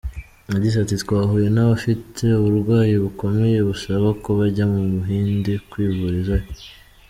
Yagize ati “Twahuye n’abafite uburwayi bukomeye busaba ko bajya mu Buhindi kwivurizayo.